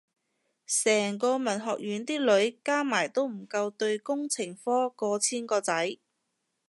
成個文學院啲女加埋都唔夠對工程科過千個仔